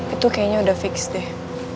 itu kayaknya udah fix deh